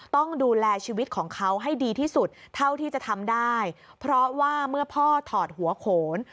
ต้องดูแลชีวิตของเขาให้ดีที่สุดเท่าที่จะทำได้เพราะว่าเมื่อพ่อถอดหัวโขน